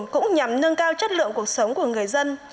cũng nhằm nâng cao chất lượng cuộc sống của người dân